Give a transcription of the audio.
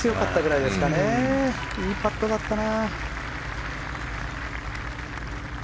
いいパットだったな。